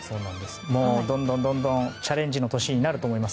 どんどんどんどんチャレンジの年になると思います。